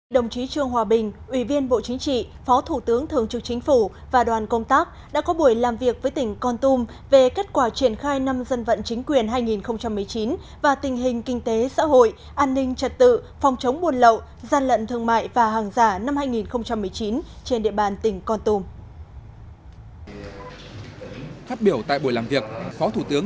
đồng chí trương hòa bình ủy viên bộ chính trị phó thủ tướng thường trực chính phủ và đoàn công tác đã có buổi làm việc với tỉnh con tum về kết quả triển khai năm dân vận chính quyền hai nghìn một mươi chín và tình hình kinh tế xã hội an ninh trật tự phòng chống buồn lậu gian lận thương mại và hàng giả năm hai nghìn một mươi chín trên địa bàn tỉnh con tum